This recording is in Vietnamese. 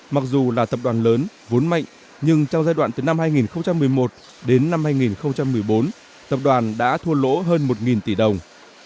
mặc dù là tập đoàn lớn vốn mạnh nhưng trong giai đoạn từ năm hai nghìn một mươi một đến năm hai nghìn một mươi bốn tập đoàn đã thua lỗ hơn một tỷ đồng